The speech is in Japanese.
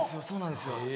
そうなんですよ。